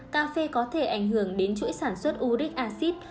cà phê có thể ảnh hưởng đến chuỗi sản xuất udic acid